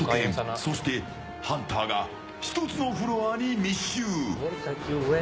そしてハンターが１つのフロアに密集。